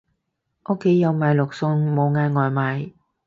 屋企有買落餸，冇嗌外賣